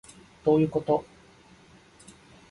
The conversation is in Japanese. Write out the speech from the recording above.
どういうこと